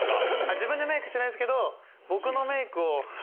自分でメイクしないですけど。